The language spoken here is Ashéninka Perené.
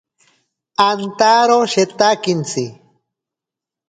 Antaro shetakintsi.